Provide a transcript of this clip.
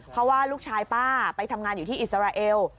เพราะว่าลูกชายป้าไปทำงานอยู่ที่อิสราเอล